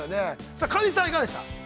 川西さん、いかがでした？